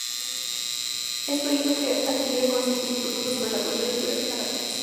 Esto hizo que adquiriera conocimientos muy profundos sobre la cultura y geografía canadiense.